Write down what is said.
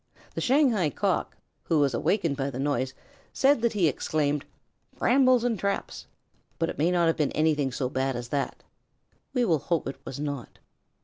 The Shanghai Cock, who was awakened by the noise, said that he exclaimed, "Brambles and traps!" but it may not have been anything so bad as that. We will hope it was not.